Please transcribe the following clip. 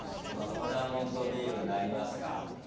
粉もんとビールになりますか。